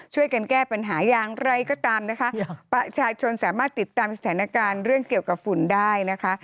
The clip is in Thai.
ช่วยกันแก้ปัญหาอย่างไรก็ตามนะคะประชาชนสามารถติดตามสถานการณ์เรื่องเกี่ยวกับฝุ่นได้นะคะ